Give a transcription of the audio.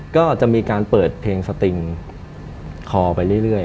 ก็จะมีการเปิดเพลงสติงคอไปเรื่อย